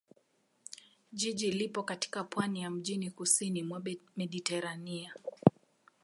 Jiji lipo katika pwani ya mjini kusini mwa Mediteranea.